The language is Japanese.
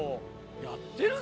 やってるの？